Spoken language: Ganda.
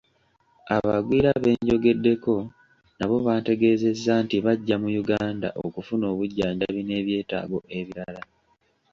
Abagwira be njogeddeko nabo bantegeezezza nti bajja mu Uganda okufuna obujjanjabi n'ebyetaago ebirala.